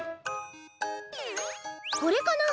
これかな？